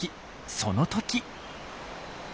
その時。